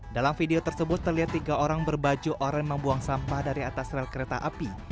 dalam video tersebut terlihat tiga orang berbaju orang membuang sampah dari atas rel kereta api